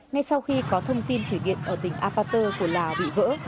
ngay sau khi có thông tin thủy nghiệm ở tỉnh apater của lào bị vỡ